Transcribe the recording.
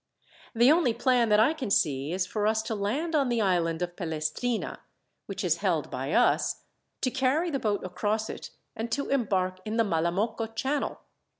The only plan that I can see is for us to land on the island of Pelestrina, which is held by us, to carry the boat across it, and to embark in the Malamocco channel.